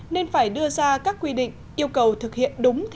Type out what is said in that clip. nên phải đưa ra các quy định yêu cầu thực hiện đúng